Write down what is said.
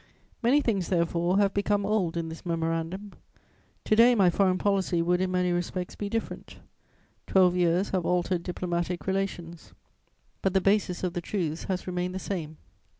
Many things, therefore, have become old in this Memorandum: to day, my foreign policy would, in many respects, be different; twelve years have altered diplomatic relations, but the basis of the truths has remained the same.